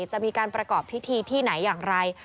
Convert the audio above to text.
จะมีการประกอบพิธีที่ไหนอย่างไร